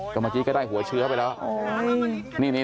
เมื่อกี้ก็ได้หัวเชื้อไปแล้ว